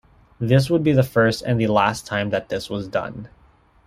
This would be the first and the last time that this was done.